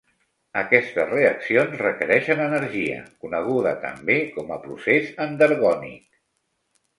Aquestes reaccions requereixen energia, coneguda també com a procés endergònic.